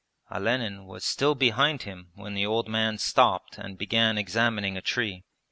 Olenin was still behind him when the old man stopped and began examining a tree.